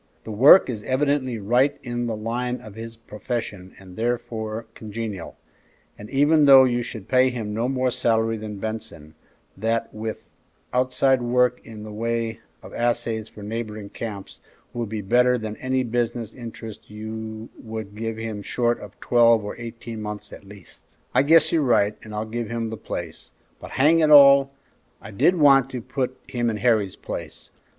The work is evidently right in the line of his profession, and therefore congenial; and even though you should pay him no more salary than Benson, that, with outside work in the way of assays for neighboring camps, will be better than any business interest you would give him short of twelve or eighteen months at least." "I guess you're right, and I'll give him the place; but hang it all! I did want to put him in Harry's place.